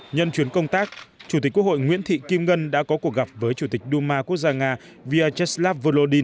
nhân chuyến công tác chủ tịch quốc hội nguyễn thị kim ngân đã có cuộc gặp với chủ tịch duma quốc gia nga vyacheslav volody